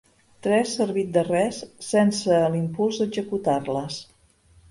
Tres servit de res sense l'impuls d'executar-les.